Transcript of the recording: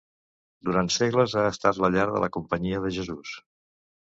Durant segles ha estat la llar de la Companyia de Jesús.